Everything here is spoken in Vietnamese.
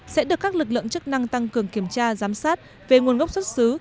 sẽ được các lực lượng chức năng tăng cường kiểm tra giám sát về nguồn gốc xuất xứ